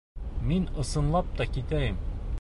Мин, ысынлап та, китәйем...